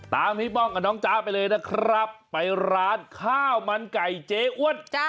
พี่ป้องกับน้องจ๊ะไปเลยนะครับไปร้านข้าวมันไก่เจ๊อ้วน